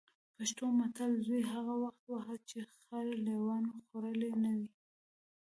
پښتو متل: زوی هغه وخت وهه چې خر لېوانو خوړلی نه وي.